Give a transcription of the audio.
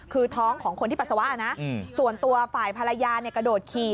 คือท้องของคนที่ปัสสาวะนะส่วนตัวฝ่ายภรรยากระโดดขี่